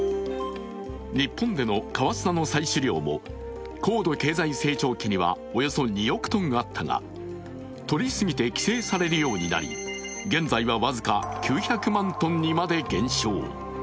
日本での川砂の採取量も高度経済成長期にはおよそ２億ｔあったが取り過ぎて規制されるようになり現在は僅か９００万ｔまで減少。